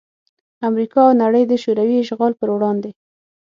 امریکا او نړۍ دشوروي اشغال پر وړاندې